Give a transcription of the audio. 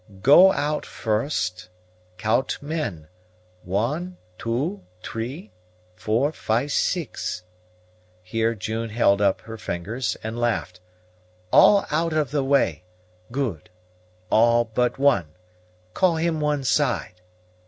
"Go out first; count men, one, two, t'ree, four, five, six" here June held up her fingers, and laughed "all out of the way good; all but one, call him one side.